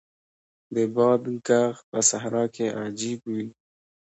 د باد ږغ په صحرا کې عجیب وي.